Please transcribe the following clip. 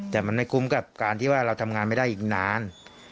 แต่มันไม่คุ้มกับการที่ว่าเราทำงานไม่ได้อีกนาน